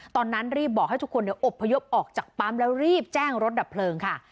ตอนนั้นรีบบอกให้ทุกคนอบพยพออกจากปั๊มแล้วรีบแจ้งรถดับเพลิงค่ะ